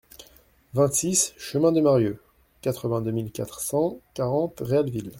vingt-six chemin de Marieu, quatre-vingt-deux mille quatre cent quarante Réalville